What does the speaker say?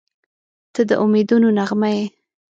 • ته د امیدونو نغمه یې.